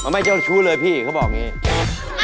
ไม่เจ้าชู้เลยพี่เขาบอกอย่างนี้